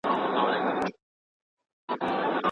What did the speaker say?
تاجکستان د افغانستان د راتلونکي حکومت په اړه څه نظر لري؟